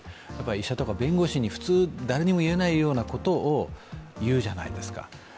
医者とか弁護士に誰にもいえないことを言うじゃないですか。